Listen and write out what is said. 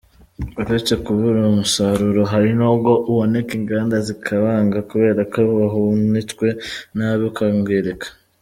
Uretse kubura umusaruro hari n’ubwo uboneka inganda zikawanga kubera ko wahunitswe nabi ukangirika.